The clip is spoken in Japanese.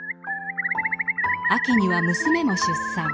秋には娘も出産。